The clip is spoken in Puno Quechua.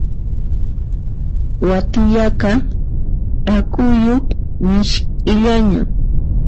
Wathiyaqa ch'akuyuq misk'illana.